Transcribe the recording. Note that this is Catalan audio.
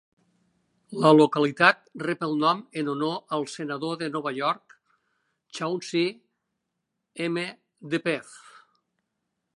La localitat rep el nom en honor al senador de Nova York, Chauncy M. Depew.